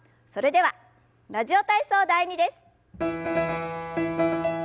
それでは「ラジオ体操第２」です。